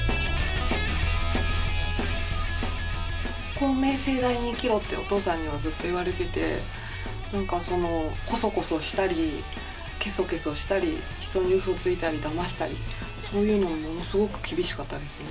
公明正大に生きろってお父さんにはずっと言われてて何かそのこそこそしたりけそけそしたり人にウソついたりだましたりそういうのものすごく厳しかったですね